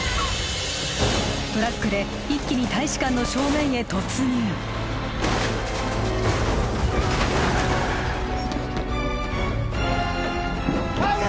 トラックで一気に大使館の正面へ突入早く！